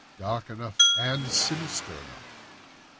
"Dark enough and sinister enough."